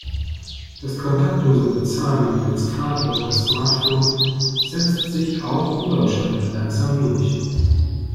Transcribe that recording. Das kontaktlose Bezahlen mittels Karte oder Smartphone setzt sich auch in Deutschland langsam durch.